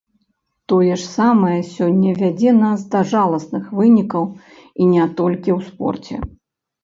Тое ж самае сёння вядзе нас да жаласных вынікаў, і не толькі ў спорце.